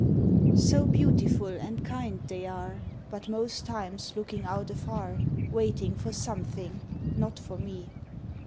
_ So beautiful and kind they are, But most times looking out afar, Waiting for something, not for me.